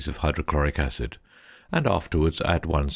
of hydrochloric acid, and afterwards add 1 c.